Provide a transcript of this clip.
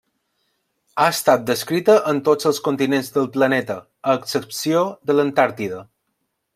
Ha estat descrita en tots els continents del planeta, a excepció de l'Antàrtida.